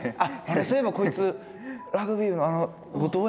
そういえばこいつラグビー部のあの後藤やんな。